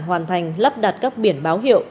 hoàn thành lắp đặt các biển báo hiệu